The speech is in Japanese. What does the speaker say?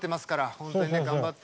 本当に頑張って。